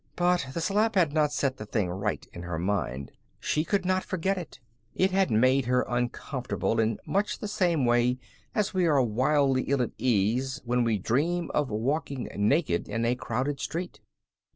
But the slap had not set the thing right in her mind. She could not forget it. It had made her uncomfortable in much the same way as we are wildly ill at ease when we dream of walking naked in a crowded street.